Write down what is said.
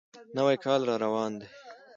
نوی کال را روان دی.